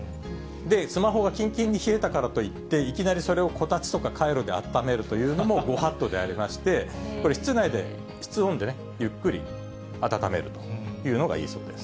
スマホがきんきんに冷えたからといって、いきなりそれをこたつとかカイロであっためるというのもご法度でありまして、これ、室温でゆっくり暖めるというのがいいそうです。